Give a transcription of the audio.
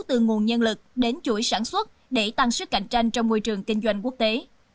từ nguồn nhân lực đến chuỗi sản xuất để tăng sức cạnh tranh trong môi trường kinh doanh quốc tế